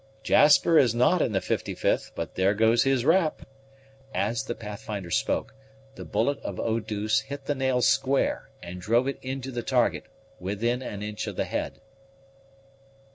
"Jasper is not in the 55th, but there goes his rap." As the Pathfinder spoke, the bullet of Eau douce hit the nail square, and drove it into the target, within an inch of the head.